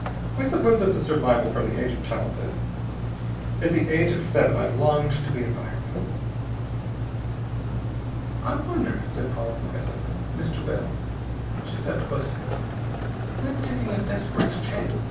I suppose it's a survival from the age of childhood. At the age of seven I longed to be a fireman." "I wonder," said Paula quietly. "Mr. Bell" she stepped close to him "I am taking a desperate chance.